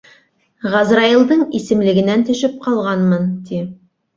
— Ғазраилдың исемлегенән төшөп ҡалғанмын, ти.